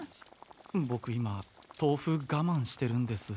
ボク今とうふがまんしてるんです。